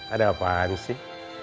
ada apaan sih